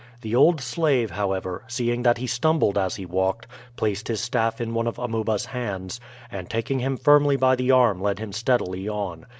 The old slave, however, seeing that he stumbled as he walked, placed his staff in one of Amuba's hands, and taking him firmly by the arm led him steadily on.